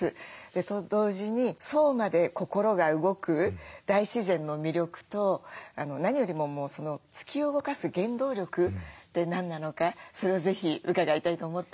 と同時にそうまで心が動く大自然の魅力と何よりも突き動かす原動力って何なのかそれを是非伺いたいと思ってます。